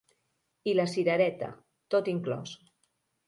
I la cirereta: tot inclòs.